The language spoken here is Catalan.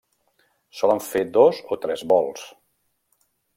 Solen fer dos o tres bols.